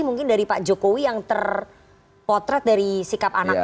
mungkin dari pak jokowi yang terpotret dari sikap anaknya